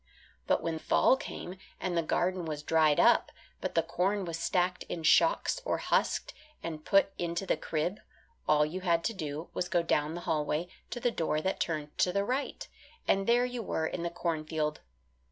But when fall came and the garden was dried up, but the corn was stacked in shocks or husked and put into the crib, all you had to do was to go down the hallway, to the door that turned to the right, and there you were in the cornfield.